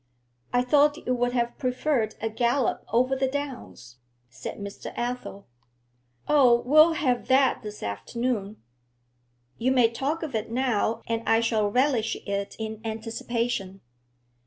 'I thought you would have preferred a gallop over the downs,' said Mr. Athel. 'Oh, we'll have that this afternoon; you may talk of it now, and I shall relish it in anticipation.